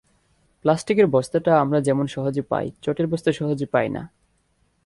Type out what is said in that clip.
প্লাস্টিকের বস্তাটা আমরা যেমন সহজে পাই, চটের বস্তা সহজে পাই না।